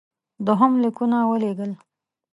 دوهم لیکونه ولېږل.